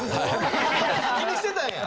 気にしてたんや。